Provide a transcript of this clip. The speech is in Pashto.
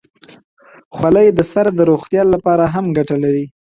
خولۍ د سر د روغتیا لپاره هم ګټه لري.